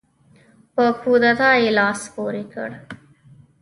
په کودتا یې لاس پورې کړ.